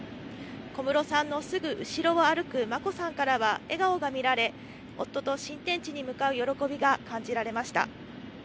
小室さんのすぐ後ろを歩く眞子さんからは笑顔が見られ、夫と新天地に向かう喜びが感じられました。